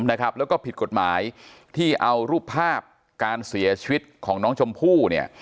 แล้วก็ผิดกฎหมายที่เอารูปภาพการเสียชีวิตของน้องชมพู่เนี่ย